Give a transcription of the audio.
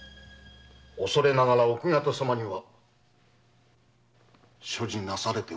恐れながら奥方様には所持なされておられますか？